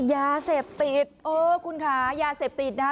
ยาเสพติดเออคุณค่ะยาเสพติดนะคะ